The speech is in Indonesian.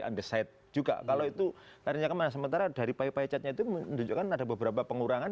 andesit juga kalau itu ternyata sementara dari pay catnya itu menunjukkan ada beberapa pengurangan